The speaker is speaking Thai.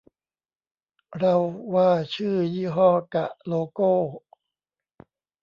เราว่าชื่อยี่ห้อ กะ โลโก้